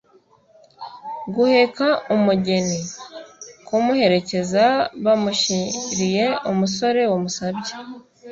guheka umugeni: kumuherekeza bamushyiriye umusore wamusabye